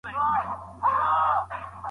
حکيمانه لاري چيري پلي کيږي؟